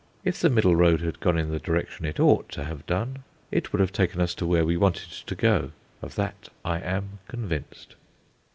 If the middle road had gone in the direction it ought to have done, it would have taken us to where we wanted to go, of that I am convinced.